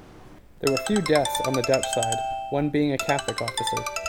There were few deaths on the Dutch side, one being a Catholic officer.